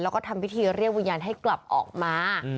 แล้วก็ทำพิธีเรียกวิญญาณให้กลับออกมา